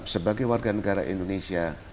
sebagai warga negara indonesia